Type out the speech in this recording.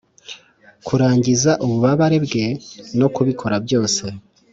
kurangiza ububabare bwe no kubikora byose